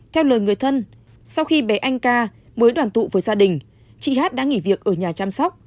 theo lời người thân sau khi bé anh ca mới đoàn tụ với gia đình chị hát đã nghỉ việc ở nhà chăm sóc